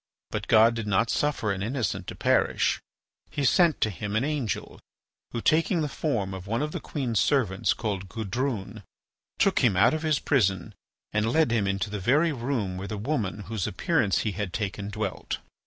But God did not suffer an innocent to perish. He sent to him an angel, who, taking the form of one of the queen's servants called Gudrune, took him out of his prison and led him into the very room where the woman whose appearance he had taken dwelt.